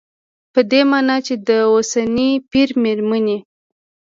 په دې مانا چې د اوسني پېر مېرمنې